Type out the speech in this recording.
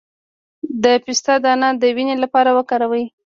د پسته دانه د وینې لپاره وکاروئ